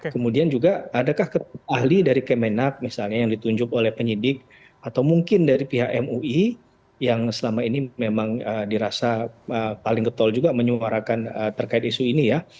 kemudian juga adakah ahli dari kemenak misalnya yang ditunjuk oleh penyidik atau mungkin dari pihak mui yang selama ini memang dirasa paling getol juga menyuarakan terkait isu ini ya